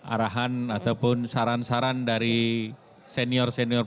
arahan ataupun saran saran dari senior senior